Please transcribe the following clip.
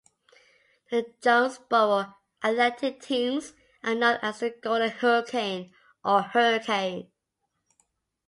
The Jonesboro athletic teams are known as the Golden Hurricane or Hurricane.